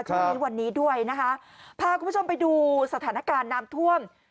ช่วงนี้วันนี้ด้วยนะคะพาคุณผู้ชมไปดูสถานการณ์น้ำท่วม